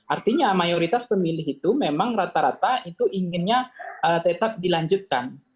artinya mayoritas pemilih itu memang rata rata itu inginnya tetap dilanjutkan